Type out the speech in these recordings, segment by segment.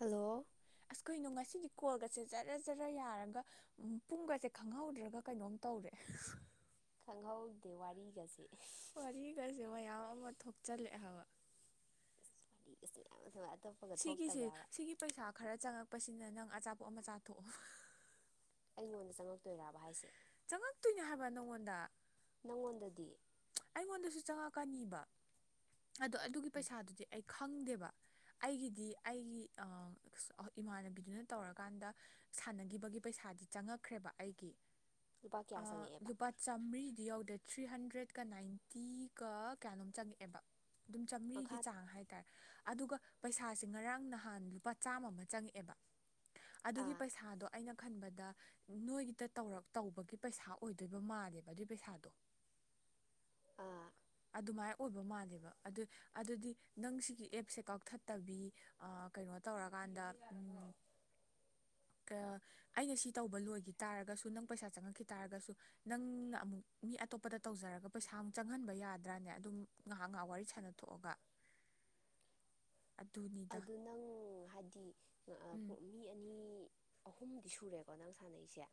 hello ꯑꯁ ꯀꯩꯅꯣ ꯉꯁꯤꯗꯤ ꯀꯣꯜꯒꯁꯦ ꯖꯔ ꯖꯔ ꯌꯥꯔꯒ ꯄꯨꯡꯒꯁꯦ ꯈꯪꯍꯧꯗ꯭ꯔꯒ ꯀꯩꯅꯣꯝ ꯇꯧꯔꯦ ꯈꯪꯍꯧꯗꯦ ꯋꯥꯔꯤꯒꯁꯦ ꯋꯥꯔꯤꯒꯁꯦ ꯃꯌꯥꯝ ꯑꯃ ꯊꯣꯛꯆꯤꯜꯂꯛꯑꯦ ꯍꯥꯏꯕ [inaudible] ꯁꯤꯒꯤꯁꯤ ꯊꯣꯛꯇꯕ꯭ꯔꯕ ꯁꯤꯒꯤ ꯄꯩꯁꯥ ꯈꯔ ꯆꯪꯉꯛꯄꯁꯤꯅ ꯅꯪ ꯑꯆꯥꯄ ꯄꯣ ꯑꯃ ꯆꯥꯊꯣꯛꯑꯣ ꯑꯩꯉꯣꯟꯗ ꯆꯪꯉꯛꯇꯣꯏꯔꯕ ꯍꯥꯏꯁꯦ ꯆꯪꯉꯛꯇꯣꯏꯅꯦ ꯍꯥꯏꯕ ꯅꯪꯉꯣꯟꯗ ꯅꯪꯉꯣꯟꯗꯗꯤ ꯑꯩꯉꯣꯟꯗꯁꯨ ꯆꯪꯉꯛꯀꯅꯤꯕ ꯑꯗꯣ ꯑꯗꯨꯒꯤ ꯄꯩꯁꯥꯗꯨꯗꯤ ꯑꯩ ꯈꯪꯗꯦꯕ ꯑꯩꯒꯤꯗꯤ ꯑꯩꯒꯤ ꯏꯃꯥꯟꯅꯕꯤꯗꯨꯅ ꯇꯧꯔꯀꯥꯟꯗ ꯁꯥꯟꯅꯈꯤꯕꯒꯤ ꯄꯩꯁꯥꯗꯤ ꯆꯪꯉꯛꯈ꯭ꯔꯦꯕ ꯑꯩꯒꯤ ꯂꯨꯄꯥ ꯀꯌꯥ ꯆꯪꯉꯛꯑꯦꯕ ꯂꯨꯄꯥ ꯆꯥꯃꯔꯤꯗꯤ ꯌꯥꯎꯗꯦ ꯊ꯭ꯔꯤ ꯍꯟꯗ꯭ꯔꯦꯠ ꯀ ꯅꯥꯏꯟꯇꯤꯒ ꯀꯌꯥꯅꯣꯝ ꯆꯪꯉꯛꯑꯦꯕ ꯑꯗꯨꯝ ꯆꯥꯝꯔꯤꯒꯤ ꯃꯈꯥ ꯆꯥꯡ ꯍꯥꯏꯇꯥꯔꯦ ꯑꯗꯨꯒ ꯄꯩꯁꯥꯁꯦ ꯉꯔꯥꯡ ꯅꯍꯥꯟ ꯂꯨꯄꯥ ꯆꯥꯝꯃ ꯑꯃ ꯆꯪꯉꯛꯑꯦꯕ ꯑꯗꯨꯒꯤ ꯑꯥ ꯄꯩꯁꯥꯗꯣ ꯑꯩꯅ ꯈꯟꯕꯗ ꯅꯣꯏꯒꯤꯗꯧꯔ ꯇꯧꯕꯒꯤ ꯄꯩꯁꯥ ꯑꯣꯏꯗꯣꯏꯕ ꯃꯥꯜꯂꯦꯕ ꯑꯗꯨꯏ ꯄꯩꯁꯥꯗꯣ ꯑꯥ ꯑꯗꯨꯃꯥꯏꯅ ꯑꯣꯏꯕ ꯃꯥꯜꯂꯦꯕ ꯑꯗꯨ ꯑꯗꯨꯗꯤ ꯅꯪ ꯁꯤꯒꯤ ꯑꯦꯞꯁꯦ ꯀꯛꯊꯠꯇꯕꯤ ꯀꯩꯅꯣ ꯇꯧꯔꯀꯥꯟꯗ ꯑꯩꯅ ꯁꯤ ꯇꯧꯕ ꯂꯣꯏꯈꯤ ꯇꯥꯔꯒꯁꯨ ꯅꯪ ꯄꯩꯁꯥ ꯆꯪꯉꯛꯈꯤ ꯇꯥꯔꯒꯁꯨ ꯅꯪꯅ ꯑꯃꯨꯛ ꯃꯤ ꯑꯇꯣꯞꯄꯗ ꯇꯧꯖꯔꯒ ꯄꯩꯁꯥ ꯑꯃꯨꯛ ꯆꯪꯍꯟꯕ ꯌꯥꯗ꯭ꯔꯥꯅꯦ ꯑꯗꯨꯝ ꯉꯥꯏꯍꯥꯛ ꯉꯥꯏꯍꯥꯛ ꯋꯥꯔꯤ ꯁꯥꯟꯅꯊꯣꯛꯑꯒ ꯑꯗꯨꯅꯤꯗ ꯑꯗꯨ ꯅꯪ ꯍꯥꯏꯗꯤ ꯎꯝ ꯃꯤ ꯑꯅꯤ ꯑꯍꯨꯝꯗꯤ ꯁꯨꯔꯦꯀꯣ ꯅꯪ ꯁꯥꯟꯅꯩꯁꯦ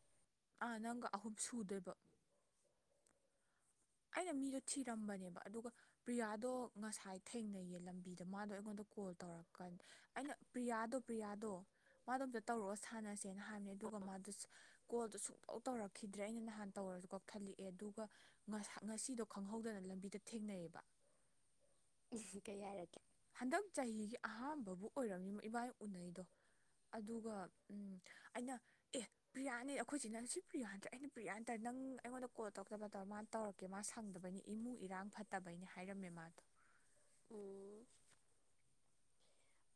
ꯑꯥ ꯅꯪꯒ ꯑꯍꯨꯝ ꯁꯨꯗꯦꯕ ꯑꯩꯅ ꯃꯤꯗꯣ ꯊꯤꯔꯝꯕꯅꯦꯕ ꯑꯗꯨꯒ ꯄ꯭ꯔꯤꯌꯥꯗꯣ ꯉꯁꯥꯏ ꯊꯦꯡꯅꯩꯌꯦ ꯂꯝꯕꯤꯗ ꯃꯥꯗꯣ ꯑꯩꯉꯣꯟꯗ ꯀꯣꯜ ꯇꯧꯔꯛꯀꯥꯟꯗ ꯑꯩꯅ ꯄ꯭ꯔꯤꯌꯥꯗꯣ ꯄ꯭ꯔꯤꯌꯥꯗꯣ ꯃꯥꯗꯣ ꯑꯝꯇ ꯇꯧꯔꯛꯑ ꯁꯥꯟꯅꯁꯦꯅ ꯍꯥꯏꯕꯅꯦ ꯑꯗꯨꯒ ꯃꯥꯗ ꯀꯣꯜꯗꯣ ꯁꯨꯡꯇꯧ ꯇꯧꯔꯛꯈꯤꯗ꯭ꯔꯦ ꯑꯩꯅ ꯅꯍꯥꯟ ꯇꯧꯔꯁꯨ ꯀꯛꯊꯠꯂꯛꯑꯦ ꯑꯗꯨꯒ ꯉꯁꯤꯗꯣ ꯈꯪꯍꯧꯗꯅ ꯂꯝꯕꯤꯗ ꯊꯦꯡꯅꯩꯌꯦꯕ ꯎ ꯀꯩ ꯍꯥꯏꯔꯀꯦ ꯍꯟꯗꯛ ꯆꯍꯤꯒꯤ ꯑꯍꯥꯥꯟꯕꯕꯨ ꯑꯣꯏꯔꯝꯃꯤ ꯏꯕꯥꯅꯤ ꯎꯅꯩꯗꯣ ꯑꯗꯨꯒ ꯎ ꯑꯩꯅ ꯑꯦ ꯄ꯭ꯔꯤꯌꯥꯅꯦ ꯑꯩꯈꯣꯏꯁꯤ ꯅꯪ ꯁꯤ ꯄ꯭ꯔꯤꯌꯥ ꯍꯥꯏꯟꯇ꯭ꯔꯦ ꯑꯩꯅ ꯄ꯭ꯔꯤꯌꯥꯟꯇꯥꯔꯦ ꯅꯪ ꯑꯩꯉꯣꯟꯗ ꯀꯣꯜ ꯇꯧꯔꯛꯇꯕ ꯇꯧꯔ ꯃꯥꯅ ꯇꯧꯔꯛꯀꯦ ꯃꯥ ꯁꯪꯗꯕꯅꯤ ꯏꯃꯨꯡ ꯏꯔꯥꯡ ꯐꯠꯇꯕꯩꯅꯦ ꯍꯥꯏꯔꯝꯃꯦ ꯃꯥꯗꯣ ꯑꯣ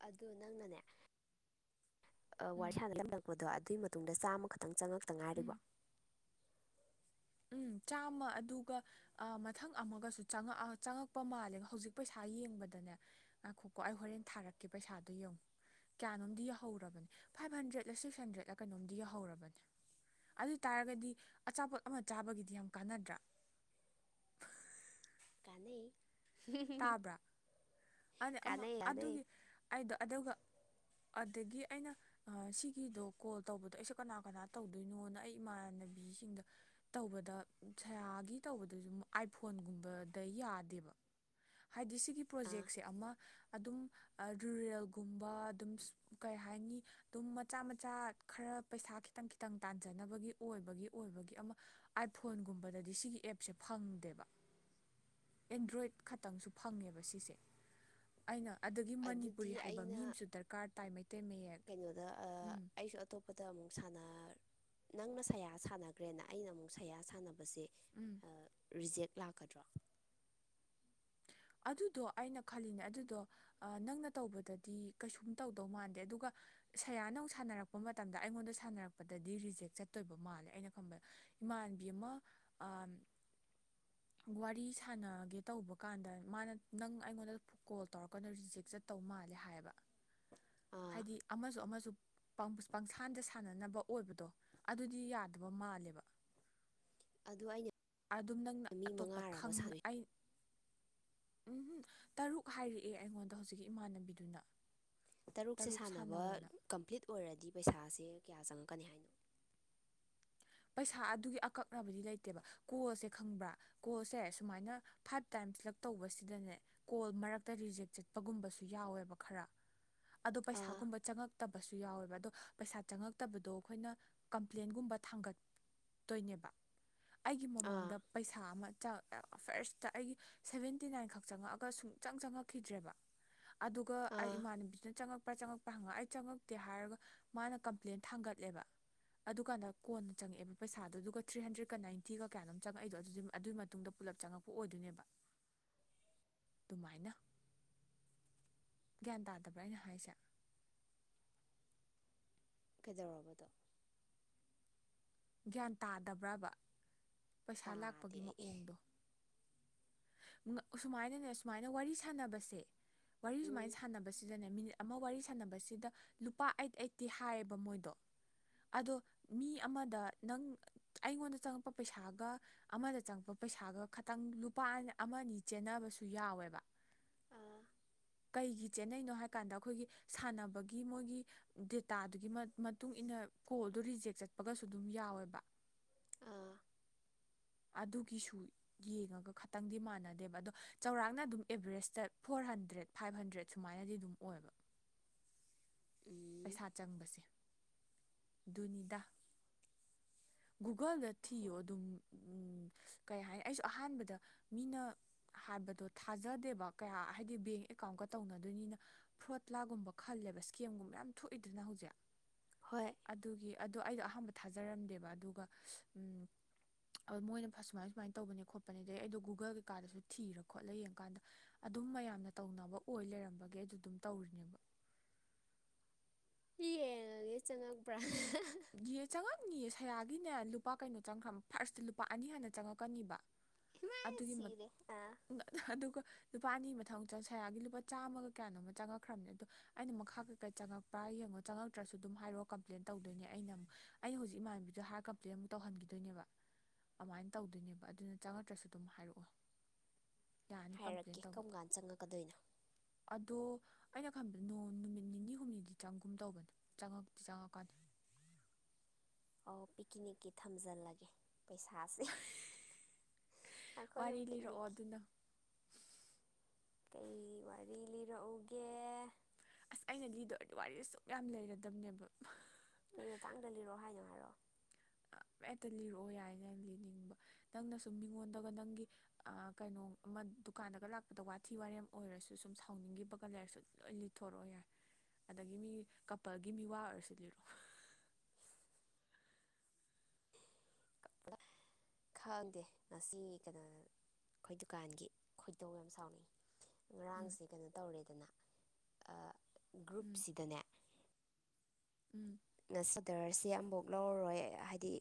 ꯑꯗꯨ ꯅꯪꯅꯅꯦ ꯑ ꯎꯝ ꯋꯥꯔꯁꯗꯂꯔꯕꯣ ꯑꯗꯨ ꯑꯗꯨꯏ ꯃꯇꯨꯡꯗ ꯆꯥꯝꯃꯈꯛ ꯈꯤꯇꯪ ꯆꯪꯉꯛꯇ ꯉꯥꯏꯔꯤꯕ ꯎꯝ ꯎꯝ ꯆꯥꯝꯃ ꯑꯗꯨꯒ ꯃꯊꯪ ꯑꯃꯒꯁꯨ ꯆꯪꯉꯑ ꯆꯪꯉꯛꯄ ꯃꯥꯜꯂꯦ ꯍꯧꯖꯤꯛ ꯄꯩꯁꯥ ꯌꯦꯡꯕꯗꯅꯦꯀꯣ ꯑꯩ ꯍꯣꯔꯦꯟ ꯊꯥꯔꯛꯀꯦ ꯄꯩꯁꯥꯗꯣ ꯌꯦꯡꯉꯨ ꯀꯌꯥꯅꯣꯝꯗꯤ ꯌꯧꯍꯧꯔꯕꯅꯦ ꯐꯥꯏꯚ ꯍꯟꯗ꯭ꯔꯦꯗꯂ ꯁꯤꯛꯁ ꯍꯟꯗ꯭ꯔꯦꯗꯂ ꯀꯩꯅꯣꯝꯗꯤ ꯌꯧꯍꯧꯔꯕꯅꯦ ꯑꯗꯨ ꯑꯣꯏ ꯇꯥꯔꯒꯗꯤ ꯑꯆꯥꯄꯣꯠ ꯑꯃ ꯆꯥꯕꯒꯤꯗꯤ ꯌꯥꯝ ꯀꯥꯟꯅꯗ꯭ꯔꯥ ꯀꯥꯟꯅꯩ ꯇꯥꯕ꯭ꯔꯥ ꯍꯥꯏꯗꯤ ꯑꯃ ꯀꯥꯟꯅꯩ ꯀꯥꯟꯅꯩ ꯑꯗꯨꯒꯤ ꯑꯩꯗꯣ ꯑꯗꯨꯒ ꯑꯗꯒꯤ ꯑꯩꯅ ꯁꯤꯒꯤꯗꯣ ꯀꯣꯜ ꯇꯧꯕꯗꯣ ꯑꯩꯁꯨ ꯀꯅꯥ ꯀꯅꯥ ꯇꯧꯗꯣꯏꯅꯣꯅ ꯑꯩ ꯏꯃꯥꯟꯅꯕꯤꯁꯤꯡꯗ ꯇꯧꯕꯗ ꯁꯌꯥꯒꯤ ꯇꯧꯕꯗꯁꯨ ꯑꯥꯏꯐꯣꯟꯒꯨꯝꯕꯗ ꯌꯥꯗꯦꯕ ꯍꯥꯏꯗꯤ ꯁꯤꯒꯤ ꯑꯥ ꯄ꯭ꯔꯣꯖꯦꯛꯁꯦ ꯑꯃ ꯑꯗꯨꯝ ꯔꯨꯔꯦꯜꯒꯨꯝꯕ ꯑꯗꯨꯝ ꯀꯩ ꯍꯥꯏꯅꯤ ꯑꯗꯨꯝ ꯃꯆꯥ ꯃꯆꯥ ꯈꯔ ꯄꯩꯁꯥ ꯈꯤꯇꯪ ꯈꯤꯇꯪ ꯇꯥꯟꯖꯅꯕꯒꯤ ꯑꯣꯏꯕꯒꯤ ꯑꯣꯏꯕꯒꯤ ꯑꯃ ꯑꯥꯏꯐꯣꯟꯒꯨꯝꯕꯗꯗꯤ ꯁꯤꯒꯤ ꯑꯦꯞꯁꯦ ꯐꯪꯗꯦꯕ ꯑꯦꯟꯗ꯭ꯔꯣꯏꯗ ꯈ ꯇꯪꯁꯨ ꯐꯪꯉꯦꯕ ꯁꯤꯁꯦ ꯑꯩꯅ ꯑꯗꯒꯤ ꯃꯅꯤꯄꯨꯔꯤ ꯑꯗꯨꯗꯤ ꯍꯩꯕ ꯃꯤ ꯑꯩꯅ ꯑꯝꯁꯨ ꯗꯔꯀꯥꯔ ꯇꯥꯏ ꯃꯩꯇꯩ ꯃꯌꯦꯛ ꯎꯝ ꯁꯅꯥ ꯅꯪꯅ ꯁꯌꯥ ꯁꯥꯟꯅꯒ꯭ꯔꯦꯅ ꯑꯩꯅ ꯑꯃꯨꯛ ꯁꯌꯥ ꯁꯥꯟꯅ ꯕꯁꯦ ꯎꯝ ꯔꯤꯖꯦꯛ ꯂꯥꯛꯀꯗ꯭ꯔꯣ ꯑꯗꯨꯗꯣ ꯑꯩꯅ ꯈꯜꯂꯤꯅꯦ ꯑꯗꯨꯗꯣ ꯅꯪꯅ ꯇꯧꯕꯗꯗꯤ ꯀꯩꯁꯨꯝ ꯇꯧꯗꯧ ꯃꯥꯟꯗꯦ ꯑꯗꯨꯒ ꯁꯌꯥ ꯅꯪ ꯁꯥꯟꯅꯔꯛꯄ ꯃꯇꯝꯗ ꯑꯩꯉꯣꯟꯗ ꯁꯥꯟꯅꯔꯛꯄꯗꯗꯤ ꯔꯤꯖꯦꯛ ꯆꯠꯇꯣꯏꯕ ꯃꯥꯜꯂꯦ ꯑꯩꯅ ꯈꯟꯕꯗ ꯏꯃꯥꯟꯕꯤ ꯑꯃ ꯑ ꯋꯥꯔꯤ ꯁꯥꯟꯅꯒꯦ ꯇꯧꯕ ꯀꯥꯟꯗ ꯃꯥꯅ ꯅꯪ ꯑꯩꯉꯣꯟꯗ ꯀꯣꯜ ꯇꯧꯔꯛꯀꯅꯨ ꯔꯤꯖꯦꯛ ꯆꯠꯇꯧ ꯃꯥꯜꯂꯦ ꯍꯥꯏꯌꯦꯕ ꯑꯥ ꯍꯥꯏꯗꯤ ꯑꯃꯁꯨ ꯑꯃꯁꯨ ꯄꯪꯁꯥꯟꯗ ꯁꯥꯟꯅꯅꯕ ꯑꯣꯏꯕꯗꯣ ꯑꯗꯨꯗꯤ ꯌꯥꯗꯕ ꯃꯥꯜꯂꯦꯕ ꯑꯗꯨ ꯑꯩꯅ ꯑꯗꯨꯝ ꯅꯪꯅ ꯃꯤ ꯑꯇꯣꯞꯄ ꯃꯉꯥꯔꯕ ꯈꯪ ꯁꯥꯟꯅꯩ ꯑꯩ ꯎꯝꯍꯨꯝ ꯇꯔꯨꯛ ꯍꯥꯏꯔꯛꯑꯦ ꯑꯩꯉꯣꯟꯗ ꯍꯧꯖꯤꯛꯀꯤ ꯏꯃꯥꯟꯅꯕꯤꯗꯨꯅ ꯇꯔꯨꯛꯁꯦ ꯇꯔꯨꯛ ꯁꯥꯟꯅꯕ ꯁꯥꯟꯅꯧꯋꯣꯅ ꯀꯝꯄ꯭ꯂꯤꯠ ꯑꯣꯏꯔꯗꯤ ꯄꯩꯁꯥꯁꯦ ꯀꯌꯥ ꯆꯪꯉꯛꯀꯅꯤ ꯍꯥꯏꯅꯣ ꯊꯥ ꯑꯗꯨꯒꯤ ꯑꯀꯛꯅꯕꯗꯤ ꯂꯩꯇꯦꯕ ꯀꯣꯜꯁꯦ ꯈꯪꯕ꯭ꯔꯥ ꯀꯣꯜꯁꯦ ꯁꯨꯃꯥꯏꯅ ꯐꯥꯏꯚ ꯇꯥꯏꯝꯂꯛ ꯇꯧꯕꯁꯤꯗꯅꯦ ꯀꯣꯜ ꯃꯔꯛꯇ ꯔꯤꯖꯦꯛ ꯆꯠꯄꯒꯨꯝꯕꯁꯨ ꯌꯥꯎꯋꯦꯕ ꯈꯔ ꯑꯗꯣ ꯑꯥ ꯄꯩꯁꯥꯒꯨꯝꯕ ꯆꯪꯉꯛꯇꯕꯁꯨ ꯌꯥꯎꯋꯦꯕ ꯑꯗꯣ ꯄꯩꯁꯥ ꯆꯪꯉꯛꯇꯕꯗꯣ ꯑꯈꯣꯏꯅ ꯀꯝꯄ꯭ꯂꯦꯟꯒꯨꯝꯕ ꯊꯥꯡꯒꯠ ꯇꯣꯏꯅꯦꯕ ꯑꯩꯒꯤ ꯑꯥ ꯃꯃꯥꯡꯗ ꯄꯩꯁꯥ ꯑꯃ ꯆꯪ ꯐꯔꯁꯇ ꯑꯩꯒꯤ ꯁꯚꯦꯟꯇꯤ ꯅꯥꯏꯟ ꯈꯛ ꯆꯪꯉꯛꯑꯒ ꯁꯨꯡꯆꯪ ꯆꯪꯉꯛꯈꯤꯗ꯭ꯔꯦꯕ ꯑꯗꯨꯒ ꯑꯩ ꯑꯥ ꯏꯃꯥꯟꯅꯕꯤꯅ ꯆꯪꯉꯛ ꯆꯪꯉꯛꯄ꯭ꯔ ꯍꯪꯉꯛꯑ ꯑꯩ ꯆꯪꯉꯛꯇꯦ ꯍꯥꯏꯔꯒ ꯃꯥꯅ ꯀꯝꯄ꯭ꯂꯦꯟ ꯊꯥꯡꯒꯠꯂꯦꯕ ꯑꯗꯨꯀꯥꯟꯗ ꯀꯣꯟ ꯆꯪꯉꯛꯑꯦꯕ ꯄꯩꯁꯥꯗꯣ ꯑꯗꯨꯒ ꯊ꯭ꯔꯤ ꯍꯟꯗ꯭ꯔꯦꯗꯀ ꯅꯥꯏꯟꯇꯤꯒ ꯀꯌꯥꯅꯣꯝ ꯆꯪꯉꯛꯏꯗꯣ ꯑꯗꯨ ꯑꯗꯨꯒꯤ ꯃꯇꯨꯡꯗ ꯄꯨꯂꯞ ꯆꯪꯉꯛꯄ ꯑꯣꯏꯗꯣꯏꯅꯦꯕ ꯑꯗꯨꯃꯥꯏꯅ ꯒ꯭ꯌꯥꯟ ꯇꯥꯗꯕ꯭ꯔꯥ ꯑꯩꯅ ꯍꯥꯏꯁꯦ ꯀꯩꯗꯧꯔꯕꯗꯣ ꯒ꯭ꯌꯥꯟ ꯇꯥꯗꯕ꯭ꯔꯕ ꯄꯩꯁꯥ ꯇꯥꯗꯦ ꯂꯥꯛꯄꯒꯤ ꯑꯩ ꯃꯑꯣꯡꯗꯣ ꯁꯨꯃꯥꯏꯅꯅꯦ ꯁꯨꯃꯥꯏꯅ ꯋꯥꯔꯤ ꯁꯥꯟꯅꯕꯁꯦ ꯋꯥꯔꯤ ꯎꯝ ꯁꯨꯃꯥꯏꯅ ꯁꯥꯟꯅꯕꯁꯤꯗꯅꯦ ꯃꯤꯅꯤꯠ ꯑꯃ ꯋꯥꯔꯤ ꯁꯥꯟꯅꯕꯁꯤꯗ ꯂꯨꯄꯥ ꯑꯩꯠ ꯑꯩꯠꯇꯤ ꯍꯥꯏꯌꯦꯕ ꯃꯣꯏꯗꯣ ꯑꯗꯣ ꯃꯤ ꯑꯃꯗ ꯅꯪ ꯑꯩꯉꯣꯟꯗ ꯆꯪꯉꯛꯄ ꯄꯩꯁꯥꯒ ꯑꯃꯗ ꯆꯪꯉꯛꯄ ꯄꯩꯁꯥꯒ ꯈꯇꯪ ꯂꯨ ꯄꯥꯥꯟ ꯑꯃꯅꯤ ꯆꯦꯟꯅꯕꯁꯨ ꯌꯥꯎꯋꯦꯕ ꯑꯥ ꯀꯩꯒꯤ ꯆꯦꯟꯅꯩꯅꯣ ꯍꯥꯏ ꯀꯥꯟꯗ ꯑꯩꯈꯣꯏꯒꯤ ꯁꯥꯟꯅꯕꯒꯤ ꯃꯣꯏꯒꯤ ꯗꯦꯇꯥꯗꯨꯒꯤ ꯃ ꯃꯇꯨꯡꯏꯟꯅ ꯀꯣꯜꯗꯨ ꯔꯤꯖꯦꯛ ꯆꯠꯄꯒꯁꯨ ꯑꯗꯨꯝ ꯌꯥꯎꯋꯦꯕ ꯑꯥ ꯑꯗꯨꯒꯤꯁꯨ ꯌꯦꯡꯉꯒ ꯈꯇꯪꯗꯤ ꯃꯥꯟꯅꯗꯦꯕ ꯑꯗꯣ ꯆꯧꯔꯥꯛꯅ ꯑꯗꯨꯝ Everest four hundred five hundred ꯁꯨꯃꯥꯏꯅꯗꯤ ꯑꯗꯨꯝ ꯑꯣꯏꯕ ꯎꯝ ꯄꯩꯁꯥ ꯆꯪꯕꯁꯦ ꯗꯨꯨꯅꯤꯗꯥ ꯒꯨꯒꯜꯗ ꯍꯣꯏ ꯊꯤꯌꯣ ꯑꯗꯨꯝ ꯀꯩ ꯍꯥꯏꯅꯤ ꯑꯩꯁꯨ ꯑꯍꯥꯟꯕꯗ ꯃꯤꯅ ꯍꯥꯟꯕꯗꯣ ꯊꯥꯖꯗꯦꯕ ꯀꯌꯥ ꯍꯥꯏꯗꯤ ꯕꯦꯡ ꯑꯦꯀꯥꯎꯟꯀ ꯇꯧꯅꯗꯣꯏꯅꯤꯅ ꯐ꯭ꯔꯣꯠꯂꯥꯒꯨꯝꯕ ꯈꯜꯂꯦꯕ ꯏꯁꯀꯦꯝꯒꯨꯝꯕ ꯌꯥꯝ ꯊꯣꯛꯏꯗꯅ ꯍꯧꯖꯤꯛ ꯍꯣꯏ ꯑꯗꯨꯒꯤ ꯑꯗꯨ ꯑꯩꯗꯣ ꯑ ꯑꯍꯝꯕ ꯊꯥꯖꯔꯝꯗꯦꯕ ꯑꯗꯨꯒ ꯎ ꯃꯣꯏꯅ ꯁꯨꯃꯥꯏ ꯁꯨꯃꯥꯏꯅ ꯇꯧꯕꯅꯦ ꯈꯣꯠꯄꯅꯦ ꯑꯗꯩ ꯑꯩꯗꯣ ꯒꯨꯒꯜ ꯀꯩꯀꯥꯗꯁꯨ ꯊꯤꯔ ꯈꯣꯠꯂ ꯌꯦꯡꯀꯥꯟꯗ ꯑꯗꯨꯝ ꯃꯌꯥꯝꯅ ꯇꯧꯅꯕ ꯑꯣꯏ ꯂꯩꯔꯝꯕꯒꯤ ꯑꯩ ꯑꯗꯨꯝ ꯇꯧꯔꯤꯅꯦꯕ ꯍ ꯅꯦ ꯆꯉꯒꯕ꯭ꯔꯥ ꯌꯦ ꯆꯪꯉꯛꯅꯤꯌꯦ ꯁꯌꯥꯒꯤꯅꯦ ꯂꯨꯄꯥ ꯀꯩꯅꯣ ꯆꯪꯈ꯭ꯔꯕ ꯐꯥꯔꯁꯇ ꯂꯨꯄꯥ ꯑꯅꯤ ꯍꯥꯟꯅ ꯆꯪꯉꯛꯀꯅꯤꯕ ꯏꯃꯥ ꯑꯗꯨꯒꯤ ꯁꯤꯔꯦ ꯑꯥ ꯑꯗꯨꯒ ꯂꯨꯄꯥ ꯑꯅꯤ ꯁꯌꯥꯒꯤ ꯂꯨꯄꯥ ꯆꯥꯝꯃꯒ ꯀꯌꯥꯅꯣꯃ ꯆꯪꯉꯛꯈ꯭ꯔꯕꯅꯦ ꯑꯗꯣ ꯑꯩꯅ ꯃꯈꯥ ꯀꯩꯀꯩ ꯆꯪꯉꯛꯄ꯭ꯔꯥ ꯌꯦꯡꯉꯣ ꯆꯪꯉꯛꯇ꯭ꯔꯁꯨ ꯑꯗꯨꯝ ꯍꯥꯏꯔꯛꯑꯣ ꯀꯝꯄ꯭ꯂꯦꯟ ꯇꯧꯗꯣꯏꯅꯦ ꯑꯩꯅ ꯑꯃꯛ ꯑꯩꯅ ꯍꯧꯖꯤꯛ ꯏꯃꯥꯟꯅꯕꯤꯗꯣ ꯍꯥꯏꯔ ꯀꯝꯄ꯭ꯂꯦꯟ ꯑꯃꯨꯛ ꯇꯧꯍꯟꯈꯤꯗꯣꯏꯅꯦꯕ ꯑꯗꯨꯃꯥꯏꯅ ꯇꯧꯗꯣꯏꯅꯦꯕ ꯑꯗꯨꯅ ꯆꯥꯈꯠꯇ꯭ꯔꯁꯨ ꯑꯗꯨꯝ ꯍꯥꯏꯔꯛꯑꯣ ꯌꯥꯔꯅꯤ ꯀꯝꯄ꯭ꯂꯦꯟ ꯍꯥꯏꯔꯛꯀꯦ ꯇꯧꯕ ꯀꯔꯝ ꯀꯥꯟꯗ ꯆꯪꯉꯛꯀꯗꯣꯏꯅꯣ ꯑꯗꯣ ꯑꯩꯅ ꯈꯟꯕꯗ ꯅꯨꯃꯤꯠ ꯅꯤꯅꯤ ꯍꯨꯝꯅꯤꯗꯤ ꯆꯪꯒꯨꯝ ꯇꯧꯕꯅꯦ ꯆꯪꯉꯛꯇꯤ ꯆꯪꯉꯛꯀꯥꯟꯅꯤ ꯑꯣ ꯄꯤꯛꯅꯤꯛꯀꯤ ꯊꯝꯖꯤꯜꯂꯒꯦ ꯄꯩꯁꯥꯁꯦ ꯑꯩꯈꯣꯏ ꯋꯥꯔꯤ ꯑꯝ ꯂꯤꯔꯛꯑꯣ ꯄꯤꯛꯅꯤꯛꯈꯤ ꯑꯗꯨꯅ ꯀꯩ ꯋꯥꯔꯤ ꯂꯤꯔꯛꯎꯒꯦ ꯑꯁ ꯑꯩꯅ ꯂꯤꯗ ꯑꯣꯏꯔꯗꯤ ꯋꯥꯔꯤꯁ ꯁꯨꯡꯛ ꯌꯥꯝ ꯂꯩꯔꯗꯝꯅꯦꯕ ꯀꯩ ꯃꯇꯥꯡꯗ ꯂꯤꯔꯣ ꯍꯥꯏꯅꯣ ꯍꯥꯏꯔꯣ ꯍꯦꯠꯇ ꯂꯤꯔꯛꯑꯣ ꯌꯥꯏꯅ ꯂꯤꯅꯤꯡꯕ ꯅꯪꯅ ꯁꯨꯝ ꯃꯤꯉꯣꯟꯗꯒ ꯅꯪꯒꯤ ꯀꯩꯅꯣ ꯑꯃ ꯗꯨꯀꯥꯟꯗꯒ ꯂꯥꯛꯄꯗ ꯋꯥꯊꯤ ꯋꯥꯔꯦꯝ ꯑꯣꯏꯔꯁꯨ ꯁꯨꯝ ꯁꯥꯎꯅꯤꯡꯈꯤꯕꯒ ꯂꯩꯔꯁꯨ ꯂꯣꯏ ꯂꯤꯠꯊꯣꯔꯛꯑꯣ ꯌꯥꯏ ꯑꯗꯒꯤ ꯃꯤ ꯀꯄꯜꯒꯤ ꯃꯤ ꯋꯥ ꯑꯣꯏꯔꯁꯨ ꯂꯤꯔꯛꯑꯣ ꯈꯪꯗꯦ ꯉꯁꯤ ꯀꯩꯅꯣ ꯑꯩꯈꯣꯏ ꯗꯨꯀꯥꯟꯒꯤ ꯈꯣꯏꯗꯧ ꯌꯥꯝ ꯁꯥꯎꯅꯤꯡ ꯎꯝ ꯉꯔꯥꯡꯁꯦ ꯀꯩꯅꯣ ꯇꯧꯔꯦꯗꯅ ꯑꯥ ꯎꯝ ꯒ꯭ꯔꯨꯞꯁꯤꯗꯅꯦ ꯎꯝ ꯑꯣꯗꯔꯁꯦ ꯑꯃꯐꯛ ꯂꯧꯔꯔꯣꯏ ꯍꯥꯏꯗꯤ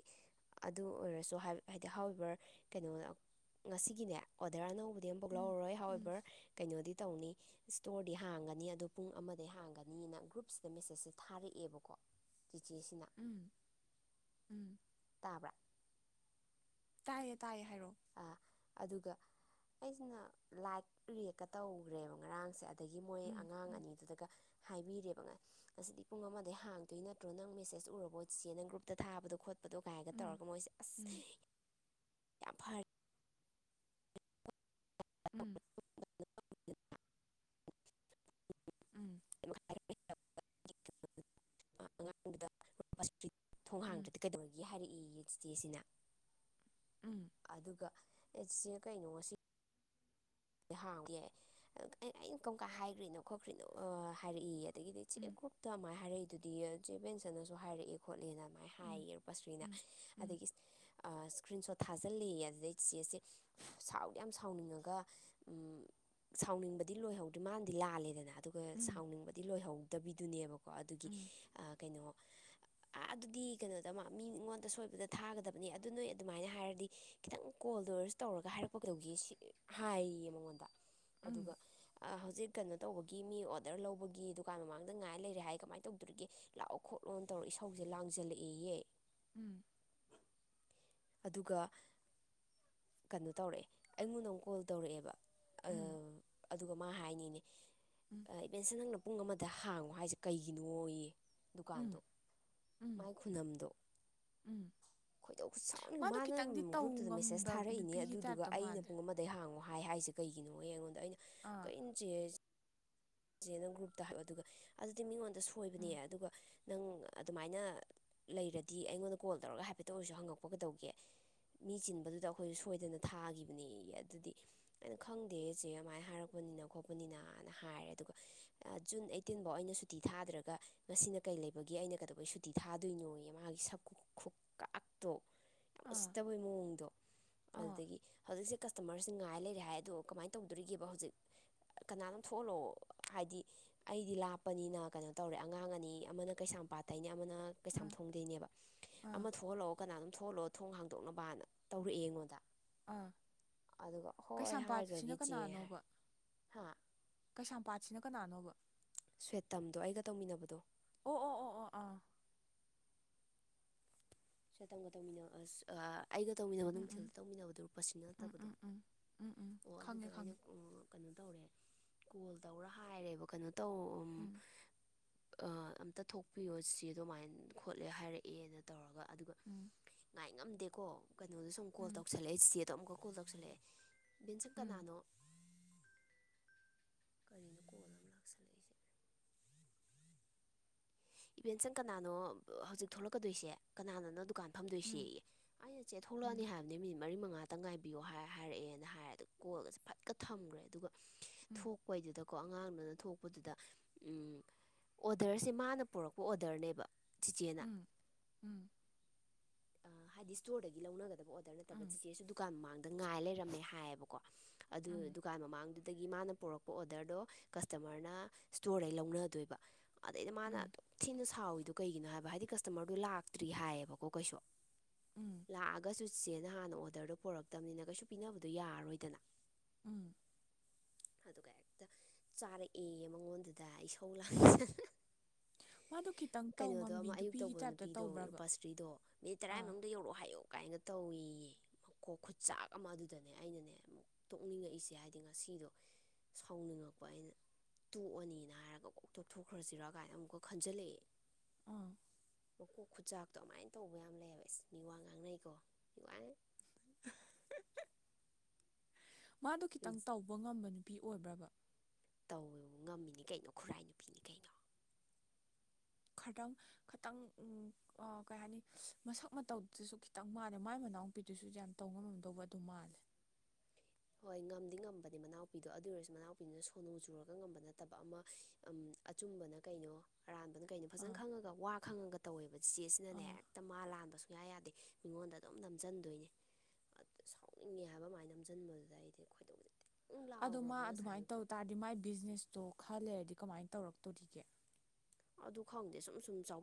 ꯑꯗꯨ ꯑꯣꯏꯔꯁꯨ ꯍꯥꯏꯗꯤ ꯍꯥꯎꯋꯕꯔ ꯀꯩꯅꯣ ꯉꯁꯤꯒꯤꯅꯦ ꯑꯣꯗꯔ ꯑꯅꯧꯕ ꯑꯗꯤ ꯑꯃ ꯄꯣꯛ ꯎꯝ ꯂꯧꯔꯔꯣꯏ ꯎꯝ ꯍꯥꯎꯋꯦꯕꯔ ꯀꯩꯅꯣꯗꯤ ꯇꯧꯅꯤ ꯏꯁꯇꯣꯔꯗꯤ ꯍꯥꯡꯒꯅꯤ ꯑꯗꯣ ꯄꯨꯡ ꯑꯃꯗꯩ ꯍꯥꯡꯒꯅꯤꯅ ꯒ꯭ꯔꯨꯞꯁꯤꯗ ꯃꯦꯁꯦꯁꯁꯦ ꯊꯥꯔꯛꯑꯦꯕꯀꯣ ꯆꯤꯆꯦꯁꯤꯅ ꯎꯝ ꯎꯝ ꯇꯥꯕ꯭ꯔꯥ ꯇꯥꯏꯌꯦ ꯇꯥꯏꯌꯦ ꯍꯥꯏꯔꯛ ꯑꯥ ꯑꯗꯨꯒ ꯑꯩꯁꯤꯅ ꯂꯥꯏꯠ ꯔꯤꯌꯦꯛꯦꯛꯀ ꯇꯧꯈ꯭ꯔꯦꯕ ꯉꯔꯥꯡꯁꯦ ꯑꯗꯒꯤ ꯃꯣꯏ ꯎꯝ ꯑꯉꯥꯡ ꯎꯝ ꯑꯅꯤꯗꯨꯗꯒ ꯍꯥꯏꯕꯤꯔꯦꯕ ꯉ ꯑꯁꯤꯗꯤ ꯄꯨꯡ ꯑꯃꯗꯩ ꯍꯥꯡꯗꯣꯏ ꯅꯠꯇ꯭ꯔꯣ ꯅꯪ ꯃꯦꯁꯦꯁ ꯎꯔꯕ ꯑꯣꯏꯠꯁꯦ ꯅ ꯒ꯭ꯔꯨꯞꯇ ꯊꯥꯕꯗꯣ ꯈꯣꯠꯄ ꯍꯥꯠꯄꯗꯣꯒꯥꯏꯔꯒ ꯎꯝ ꯇꯧꯔꯒ ꯃꯣꯏꯁꯦ ꯑꯁ ꯎꯝ ꯌꯥ ꯐꯔ ꯎꯝ ꯎꯝ [inaudible] ꯎꯝ ꯊꯣꯡꯍꯥꯡꯗ꯭ꯔꯗꯤ ꯀꯩꯗꯧꯔꯒꯦ ꯍꯥꯏꯔꯛꯏ ꯏꯁꯇꯦꯁꯤꯅ ꯎꯝ ꯑꯗꯨꯒ ꯑꯦꯁꯦ ꯀꯩꯅꯣ ꯁꯤ ꯍꯥꯎꯒꯦ ꯑꯩꯅ ꯀꯝꯀ ꯍꯥꯏꯈ꯭ꯔꯤꯅꯣ ꯈꯣꯠꯈ꯭ꯔꯤꯅꯣ ꯍꯥꯏꯔꯛꯏ ꯑꯗꯒꯤꯗꯤ ꯎꯝ ꯆꯦ ꯎꯝ ꯀ꯭ꯔꯛꯇ ꯃꯥꯏ ꯍꯥꯏꯔꯩ ꯑꯗꯨꯗꯤ ꯆꯦ ꯕꯦꯟꯁꯅꯁꯨ ꯍꯥꯏꯔꯛꯑꯦ ꯈꯣꯠꯂꯦꯅ ꯁꯃꯥꯏꯅ ꯎꯝ ꯎꯝ ꯎꯝ ꯍꯥꯏꯌꯦꯔꯨꯄꯥꯁ꯭ꯔꯤꯅ ꯎꯝ ꯑꯗꯒꯤ ꯏꯁꯀ꯭ꯔꯤꯟ ꯁꯣꯠ ꯊꯥꯖꯤꯜꯂ ꯑꯗꯨꯗꯩ ꯆꯦꯁꯦ ꯁꯥꯎꯗ ꯌꯥꯝ ꯁꯥꯎꯅꯤꯡꯉꯒ ꯎ ꯁꯥꯎꯅꯤꯡꯕꯗꯤ ꯂꯣꯏꯍꯧꯗꯦ ꯃꯥꯅꯗꯤ ꯂꯥꯜꯂꯦꯗꯅ ꯑ ꯑꯗꯨꯒ ꯎꯝ ꯎꯝ ꯁꯥꯎꯅꯤꯡꯕꯗꯤ ꯂꯣꯏꯍꯧꯗꯕꯤꯗ ꯨꯅꯤꯌꯥꯕ ꯀꯣ ꯑꯗꯨꯒꯤ ꯎꯝ ꯀꯩꯅꯣ ꯑꯥ ꯑꯗꯨꯗꯤ ꯀꯩꯅꯣꯗ ꯃꯤꯉꯣꯟꯗ ꯁꯣꯏꯕꯗ ꯊꯥꯒꯗꯕꯅꯤ ꯑꯗꯨ ꯅꯣꯏ ꯑꯗꯨꯃꯥꯏꯅ ꯍꯥꯏꯔꯗꯤ ꯈꯤꯇꯪ ꯀꯣꯜ ꯗꯔꯁ ꯇꯧꯔꯒ ꯍꯥꯏꯔꯛꯄꯗꯧꯒꯦ ꯍꯥꯏꯔꯤꯌꯦ ꯃꯉꯣꯟꯗ ꯑꯗꯨꯒ ꯍꯧꯖꯤꯛ ꯀꯩꯅꯣ ꯇꯧꯕꯒꯤ ꯃꯤ ꯑꯣꯗꯔ ꯂꯧꯕꯒꯤ ꯗꯨꯀꯥꯟ ꯃꯃꯥꯡꯗ ꯉꯥꯏ ꯂꯩꯔꯦ ꯍꯥꯏ ꯀꯃꯥꯏꯅ ꯇꯧꯗꯣꯏꯔꯤꯒꯦ ꯂꯥꯛꯑꯣ ꯈꯣꯠꯂꯣꯅ ꯇꯧꯔ ꯏꯁꯧꯁꯦ ꯂꯥꯡꯁꯤꯜꯂꯛꯏꯌꯦꯦ ꯎꯝ ꯑꯗꯨꯒ ꯀꯩꯅꯣ ꯇꯧꯔꯛꯑꯦ ꯑꯩꯉꯣꯟꯗ ꯑꯃꯨꯛ ꯀꯣꯜ ꯇꯧꯔꯛꯑꯦꯕ ꯑ ꯑꯗꯨꯒ ꯃꯥ ꯍꯥꯏꯅꯤꯅꯦ ꯏꯕꯦꯟꯁ ꯅꯪꯅ ꯄꯨꯡ ꯑꯃꯗ ꯍꯥꯡꯉꯣ ꯍꯥꯏꯁꯦ ꯀꯩꯒꯤꯅꯣꯌꯦ ꯗꯨꯀꯥꯟꯗꯣ ꯎꯝ ꯎꯝ ꯎꯝ ꯃꯥꯏ ꯈꯨꯅꯝꯗꯣ ꯎꯝ ꯈꯣꯏꯗꯧ ꯁ ꯃꯥꯗꯣ ꯃꯥꯅ ꯈꯤꯇꯪꯗꯤ ꯇꯧ ꯒ꯭ꯔꯨꯞꯇꯨꯗ ꯃꯦꯁꯦꯁ ꯉꯝꯕ ꯊꯥꯔꯛꯏꯅꯦ ꯅꯨꯄꯤꯒꯤ ꯑꯗꯨꯗꯨꯒ ꯇꯥꯏꯞꯇ ꯑꯩꯅ ꯃꯥꯜꯂꯦ ꯄꯨꯡ ꯑꯃꯗꯩ ꯍꯥꯡꯉ ꯌꯦꯪꯉꯣ ꯍꯥꯏꯁꯦ ꯀꯩꯒꯤꯅꯣ ꯑꯩꯉꯣꯟ ꯑꯗ ꯑꯩꯅ ꯑꯥ ꯀꯅ ꯆꯦ ꯅ ꯒ꯭ꯔꯨꯞꯇ ꯍꯥꯏ ꯑꯗꯨꯒ ꯑꯗꯨꯗꯤ ꯃꯤꯉꯣꯟꯗ ꯗ ꯎꯝ ꯁꯣꯏꯕꯅꯦꯌꯦ ꯑꯗꯨꯒ ꯅꯪ ꯑꯗꯨꯃꯥꯏꯅ ꯂꯩꯔꯗꯤ ꯑꯩꯉꯣꯟꯗ ꯀꯣꯜ ꯇꯧꯔꯒ ꯍꯥꯏꯐꯦꯠꯇ ꯑꯣꯏꯔꯁꯨ ꯍꯪꯉꯛ ꯊꯣꯛꯄ ꯀꯗꯧꯒꯦ ꯃꯤ ꯆꯤꯟꯕꯗꯨꯗ ꯑꯩꯈꯣꯏꯁꯨ ꯁꯣꯏꯗꯅ ꯊꯥꯒꯤꯈꯤꯕꯅꯦ ꯑꯗꯨꯗꯤ ꯑꯩꯅ ꯈꯪꯗꯦꯁꯦ ꯑꯗꯨꯃꯥꯏꯅ ꯍꯥꯏꯔꯛꯄꯅꯤꯅ ꯈꯣꯠꯄꯅꯤꯅꯅ ꯍꯥꯏꯔꯦ ꯑꯗꯨꯒ ꯖꯨꯟ ꯑꯩꯇꯤꯟꯐꯧ ꯑꯩꯅ ꯁꯨꯇꯤ ꯊꯥꯗ꯭ꯔꯒ ꯉꯁꯤꯅ ꯀꯩ ꯂꯩꯕꯒꯤꯦ ꯑꯩꯅ ꯀꯩꯗꯧꯕꯩ ꯁꯨꯇꯤ ꯊꯥꯗꯣꯏꯅꯣꯌꯦ ꯃꯥꯒꯤ ꯁꯛꯀꯨ ꯈꯨꯛꯀ ꯇꯣ ꯌꯥꯝ ꯑꯥ ꯎꯁꯤꯠꯇꯕꯒꯤ ꯃꯑꯣꯡꯗꯣ ꯑꯥ ꯑꯗꯨꯗꯒꯤ ꯍꯧꯖꯤꯛꯦ ꯀꯁꯇꯃꯔꯁꯤꯡ ꯉꯥꯏ ꯂꯩꯔꯦ ꯍꯥꯏ ꯑꯗꯣ ꯀꯃꯥꯏꯅ ꯇꯧꯗꯣꯔꯤꯒꯦꯕ ꯍꯧꯖꯤꯛ ꯀꯅꯥꯅꯝ ꯊꯣꯛꯍꯜꯂꯛꯑꯣ ꯍꯥꯏꯗꯤ ꯑꯩꯗꯤ ꯂꯥꯞꯄꯅꯤꯅ ꯀꯩꯅꯣ ꯇꯧꯔꯦ ꯑꯉꯥꯡ ꯑꯅꯤ ꯑꯃꯅ ꯀꯩꯁꯥꯝꯄꯥꯠꯇ ꯑꯩꯅ ꯑꯃꯅ ꯑꯥ ꯀꯩꯁꯥꯝꯊꯣꯡꯗꯣꯏꯅꯦꯕ ꯑꯥ ꯑꯃ ꯊꯣꯛꯍꯜꯂꯛꯑꯣ ꯀꯅꯥ ꯅꯣꯝ ꯊꯣꯡꯍꯜꯂꯣ ꯊꯣꯡ ꯍꯥꯡꯗꯣꯛꯅꯕꯅ ꯇꯧꯔꯛꯑꯦ ꯑꯩꯉꯣꯟꯗ ꯑꯥ ꯑꯗꯨꯒ ꯍꯣꯏ ꯀꯩꯁꯥꯝꯄꯥꯠꯁꯤꯅ ꯍꯥꯏꯒ꯭ꯔꯒꯦ ꯆꯦ ꯍꯥꯏ ꯀꯅꯥꯅꯣꯕ ꯍꯥ ꯀꯩꯁꯥꯝꯄꯥꯠꯁꯤꯅ ꯀꯅꯥꯅꯣꯕ ꯁ꯭ꯋꯦ ꯇꯝꯗꯣ ꯑꯩꯒ ꯇꯧꯃꯤꯟꯅꯕꯗꯣ ꯑꯣ ꯑꯣ ꯑꯣ ꯑꯣ ꯑꯥ ꯁ꯭ꯋꯦꯇꯝꯒ ꯇꯧꯃꯤꯟꯅꯕ ꯑꯁ ꯑꯥ ꯑꯩꯒ ꯇꯧꯃꯤꯟꯅꯕ ꯎꯝ ꯎꯝ ꯅꯨꯡꯊꯤꯜꯗ ꯇꯧꯃꯤꯟꯅꯕꯗꯣ ꯔꯨꯄꯁꯤ ꯎꯝ ꯅꯠꯇꯕꯗꯣ ꯎꯝ ꯎꯝ ꯎꯝ ꯎꯝ ꯑꯣ ꯑꯗꯨꯗꯣ ꯈꯪꯉꯦ ꯑꯩꯅ ꯈꯪꯉꯦ ꯑ ꯀꯅꯣ ꯇꯧꯔꯦ ꯀꯣꯜ ꯇꯧꯔ ꯍꯥꯏꯔꯦꯕ ꯀꯅꯣ ꯇꯧ ꯎꯝ ꯑꯝꯇ ꯊꯣꯛꯄꯤꯌꯣ ꯆꯦ ꯑꯗꯨꯃꯥꯏꯅ ꯈꯣꯠꯂꯦ ꯍꯥꯏꯔꯛꯑꯦꯅ ꯇꯧꯔꯒ ꯑꯗꯨꯒ ꯎꯝ ꯉꯥꯏ ꯉꯝꯗꯦꯀꯣ ꯀꯅꯣꯗꯣ ꯁꯨꯝ ꯀꯣꯜ ꯎꯝ ꯇꯧꯁꯜꯂꯛꯑꯦ ꯆꯦꯆꯦꯗꯣ ꯑꯃꯨꯛꯀ ꯀꯣꯜ ꯇꯧꯁꯤꯜꯂꯛꯑꯦ ꯕꯤꯟꯁꯪ ꯎꯝ ꯀꯅꯥꯅꯣ ꯀꯔꯤꯅꯣ ꯀꯣꯜ ꯑꯃ ꯂꯥꯛꯁꯜꯂꯛꯏꯖꯦ ꯏꯚꯦꯟ ꯁꯪ ꯀꯅꯥꯅꯣ ꯍꯧꯖꯤꯛ ꯊꯣꯛꯂꯛꯀꯗꯣꯏꯁꯦ ꯀꯅꯥꯅꯅꯣ ꯗꯨꯀꯥꯟ ꯐꯝꯗꯣꯏ ꯎꯝ ꯁꯦꯌꯦ ꯑꯩꯅ ꯆꯦ ꯊꯣꯛꯂꯛ ꯑꯅꯤ ꯎꯝ ꯍꯥꯏꯕꯅꯤ ꯃꯤ ꯃꯔꯤ ꯃꯉꯥꯇ ꯉꯥꯏꯕꯤꯌꯣ ꯍꯥꯏ ꯍꯥꯏꯔꯛꯑꯦꯅ ꯍꯥꯏꯔꯦ ꯑ ꯀꯣꯜꯒꯁꯦ ꯐꯠꯀ ꯊꯝꯈ꯭ꯔꯦ ꯑꯗꯨꯒ ꯎꯝ ꯎꯝ ꯊꯣꯛꯄꯩꯗꯨꯗꯀꯣ ꯉꯥꯡꯗꯨꯅ ꯊꯣꯛꯄꯗꯨꯗ ꯎꯝ ꯑꯣꯗꯔꯁꯦ ꯃꯥꯅ ꯄꯨꯔꯛꯄ ꯑꯣꯗꯔꯅꯦꯕ ꯆꯤꯆꯦꯅ ꯎꯝ ꯎꯝ ꯑ ꯍꯥꯏꯗꯤ ꯁ꯭ꯇꯣꯔꯗꯒꯤ ꯂꯧꯅꯒꯗꯕ ꯑꯣ ꯅꯠꯇꯕ ꯆꯦꯁꯨ ꯗꯨꯀꯥꯟ ꯃꯥꯡꯗꯦ ꯗ ꯉꯥꯏ ꯂꯩꯔꯝꯃꯦ ꯍꯥꯏꯌꯦꯕꯀꯣ ꯑꯗꯨ ꯎꯝ ꯗꯨꯀꯥꯟ ꯃꯃꯥꯡꯗꯨꯗꯒꯤ ꯃꯥꯅ ꯄꯣꯔꯛꯄ ꯑꯣꯗꯔꯗꯣ ꯀꯁꯇꯃꯔꯅ ꯁ꯭ꯇꯣꯔꯗꯩ ꯂꯧꯅꯗꯣꯏꯕ ꯑꯗꯩꯩꯗ ꯃꯥꯅ ꯎꯝ ꯊꯤꯅ ꯁꯥꯎꯏꯗꯣ ꯀꯩꯒꯤꯅꯣ ꯍꯥꯏꯕ ꯍꯥꯏꯗꯤ ꯀꯁꯇꯃꯔꯗꯣ ꯂꯥꯛꯇ꯭ꯔꯤ ꯍꯥꯏꯌꯦꯕꯀꯣ ꯀꯩꯁꯨ ꯎꯝ ꯂꯥꯛꯑꯒꯁꯨ ꯆꯦꯅ ꯍꯥꯟꯅ ꯑꯣꯗꯔꯗꯣ ꯄꯨꯣꯔꯛꯇꯕꯅꯤꯅ ꯀꯩꯁꯨ ꯄꯤꯅꯕꯗꯣ ꯌꯥꯔꯣꯏꯗꯅ ꯎꯝ ꯑꯗꯨꯒ ꯍꯦꯛꯇ ꯆꯥꯔꯛꯑ ꯃꯉꯣꯟꯗꯨꯗ ꯏꯁꯧ ꯂꯥꯛꯦ ꯃꯥꯗꯣ ꯈꯤꯇꯪ ꯇꯧ ꯀꯩꯅꯣꯗꯣ ꯉꯝꯕꯤ ꯑꯃ ꯑꯌꯨꯛ ꯅꯨꯄꯤꯒꯤ ꯇꯧꯕ ꯇꯥꯏꯞꯇ ꯅꯨꯄꯤꯗꯣ ꯇꯧꯕ꯭ꯔꯕ ꯔꯨꯄꯥꯁ꯭ꯔꯤꯗꯣ ꯃꯤꯅꯤꯠ ꯇꯔꯥꯏ ꯑꯥ ꯃꯅꯨꯡꯗ ꯌꯧꯔꯛꯑꯣ ꯍꯥꯏꯌꯨ ꯀꯥꯏꯅ ꯇꯧꯑꯦꯌꯦ ꯃꯀꯣꯛ ꯈꯨꯠꯆꯥꯛ ꯑꯃ ꯑꯗꯨꯗꯅꯦ ꯑꯩꯅꯅꯦ ꯑꯃꯨꯛ ꯇꯣꯛꯅꯤꯡꯉꯛꯏꯁꯦ ꯍꯥꯏꯗꯤ ꯉꯁꯤꯗꯣ ꯁꯥꯎꯅꯤꯡꯉꯛꯄ ꯑꯩꯅ ꯇꯣꯛꯑꯅꯤꯅ ꯍꯥꯏꯔꯒ ꯀꯣꯛ ꯇꯣꯛꯊꯣꯛ ꯈ꯭ꯔꯁꯤꯔꯥ ꯀꯥꯏꯅ ꯑꯃꯨꯛꯀ ꯈꯟꯖꯜꯂꯛꯑꯦ ꯑꯥ ꯃꯀꯣꯛ ꯈꯨꯆꯥꯛꯇꯣ ꯑꯃꯥꯏꯅ ꯇꯧꯕ ꯌꯥꯝ ꯂꯩꯌꯦ ꯍꯥꯏꯕ ꯏꯁ ꯃꯤꯋꯥ ꯉꯥꯡꯅꯩꯀꯣ [unintelligible] ꯃꯥꯗꯣ ꯈꯤꯇꯪ ꯇꯧꯕ ꯉꯝꯕꯅꯤ ꯄꯄꯤ ꯑꯣꯏꯕ꯭ꯔꯕ ꯇꯧ ꯉꯝꯃꯤꯅꯦ ꯀꯩꯅꯣ ꯈꯨꯔꯥꯏ ꯅꯨꯄꯤꯅꯤ ꯀꯩꯅꯣ ꯈꯇꯪ ꯈꯤꯇꯪ ꯀꯩ ꯍꯥꯏꯅꯤ ꯃꯁꯛ ꯃꯇꯧꯗꯨꯁꯨ ꯈꯤꯇꯪ ꯃꯥꯜꯂꯦ ꯃꯥꯏ ꯃꯅꯥꯎꯨꯄꯤꯗꯨꯁꯨ ꯌꯥꯝ ꯇꯧ ꯉꯝꯃꯝꯗꯧꯕ ꯑꯗꯨ ꯃꯥꯜꯂꯦ ꯍꯣꯏ ꯉꯝꯗꯤ ꯉꯝꯕꯅꯦ ꯃꯅꯥꯎꯄꯤꯗꯣ ꯑꯗꯨ ꯑꯣꯏꯔꯁꯨ ꯃꯅꯥꯎꯄꯤꯗꯨꯅ ꯁꯣꯅꯨ ꯆꯨꯔꯒ ꯉꯝꯕ ꯅꯠꯇꯕ ꯑꯃ ꯑꯆꯨꯝꯕꯅ ꯀꯩꯅꯣ ꯑꯔꯥꯟꯕꯅ ꯀꯩꯅꯣ ꯐꯖꯅ ꯑꯥ ꯈꯪꯉꯒ ꯋꯥ ꯈꯪꯉꯒ ꯇꯧꯋꯦꯕ ꯆꯦꯆꯦꯁꯤꯅꯅꯦ ꯑꯥ ꯍꯦꯛꯇ ꯃꯥ ꯂꯥꯟꯕꯁꯨ ꯌꯥ ꯌꯥꯗꯦ ꯃꯤꯉꯣꯟꯗ ꯑꯗꯨꯝ ꯅꯝꯁꯤꯟꯗꯣꯏꯅꯦ ꯑꯗꯨ ꯁꯥꯎꯅꯤꯡꯉꯦ ꯍꯥꯏꯕ ꯃꯥꯏ ꯅꯝꯁꯤꯟꯕꯗ ꯑꯣꯖ ꯑꯩꯗꯤ ꯑꯩꯈꯣꯏꯗꯧꯖꯗꯦ ꯑꯗꯣ ꯃꯥ ꯑꯗꯨꯃꯥꯏꯅ ꯇꯧ ꯇꯥꯔꯗꯤ ꯃꯥꯏ ꯕꯤꯖꯤꯅꯦꯁꯇꯣ ꯈꯜꯂꯦꯔꯗꯤ ꯀꯃꯥꯏꯅ ꯇꯧꯔꯛꯇꯣꯔꯤꯒꯦ ꯑꯗꯨ ꯈꯪꯗꯦ ꯁꯨꯝ ꯁꯨꯝ ꯆꯥꯎ